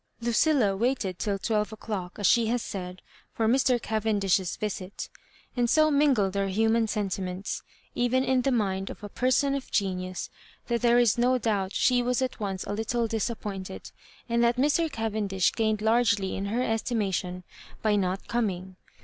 Lucilla waited till twelve o'clock, as she had said, for Mr. Cavendish's visit ; and so mingled are human sentiments, even in the mind of a person of genius, that there is no doubt she was at once a little disappointed, and that Mr. Caven dish gained largely in her estimation by not coming.